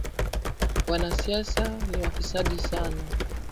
Wanasiasa ni wafisadi sana